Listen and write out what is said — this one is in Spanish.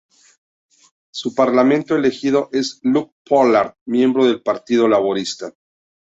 Su parlamentario elegido es Luke Pollard, miembro del Partido Laborista.